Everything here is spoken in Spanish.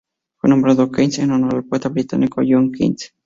Fue nombrado Keats en honor al poeta británico John Keats.